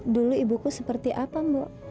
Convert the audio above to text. dulu ibuku seperti apa mbak